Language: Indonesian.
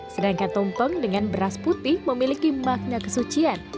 sedangkan tumpeng dengan beras putih memiliki makna kesucian